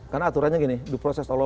karena aturannya gini di proses allah